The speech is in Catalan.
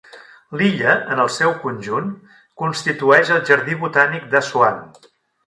L'illa, en el seu conjunt, constitueix el jardí botànic d'Assuan.